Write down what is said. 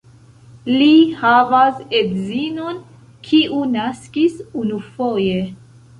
Li havas edzinon kiu naskis unufoje.